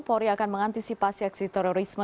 polri akan mengantisipasi aksi terorisme